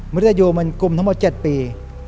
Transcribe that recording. นุษยูมันกลุ่มทั้งหมด๗ปี